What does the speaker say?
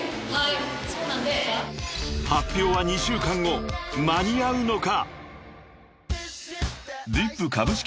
［発表は２週間後間に合うのか？］